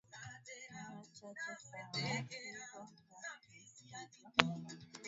Mara chache sana vifo vya mifugo iliyoambukizwa mapele ya ngozi inaweza kufikia asilimia ishirini